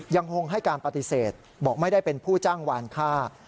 ยังคงให้การปฏิเสธบอกไม่ได้เป็นผู้จ้างวานค่า